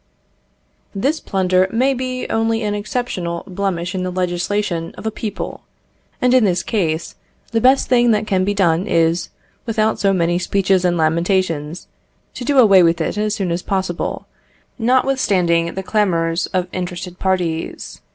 This plunder may be only an exceptional blemish in the legislation of a people, and in this case, the best thing that can be done is, without so many speeches and lamentations, to do away with it as soon as possible, notwithstanding the clamours of interested parties.